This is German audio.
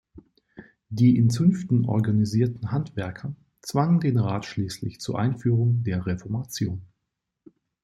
Die in Zünften organisierten Handwerker zwangen den Rat schliesslich zur Einführung der Reformation.